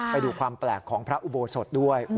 ไปดูความแปลกของพระอุโบสถด้วย